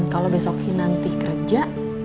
kalau besok ini nanti kerja